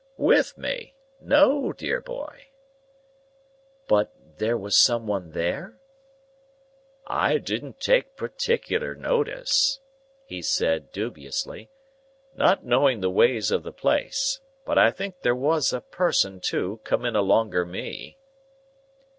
"With me? No, dear boy." "But there was some one there?" "I didn't take particular notice," he said, dubiously, "not knowing the ways of the place. But I think there was a person, too, come in alonger me."